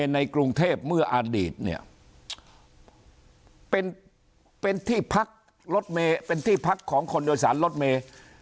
ในกรุงเทพเมื่ออดีตเนี่ยเป็นที่พักรถเมย์เป็นที่พักของคนโดยสารรถเมย์